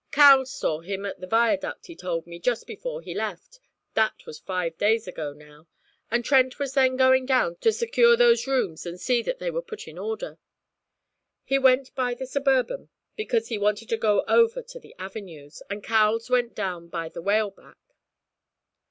'Cowles saw him at the viaduct, he told me, just before he left; that was five days ago now, and Trent was then going down to secure those rooms and see that they were put in order. He went by the Suburban, because he wanted to go over to the avenues, and Cowles went down by the Whaleback.'